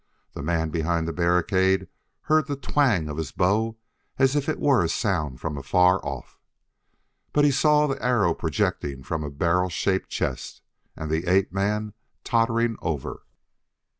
The man behind the barricade heard the twang of his bow as if it were a sound from afar off; but he saw the arrow projecting from a barrel shaped chest, and the ape man tottering over.